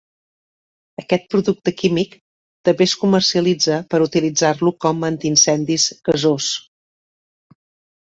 Aquest producte químic també es comercialitza per utilitzar-lo com antiincendis gasós.